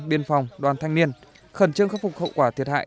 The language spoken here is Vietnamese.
biên phòng đoàn thanh niên khẩn trương khắc phục hậu quả thiệt hại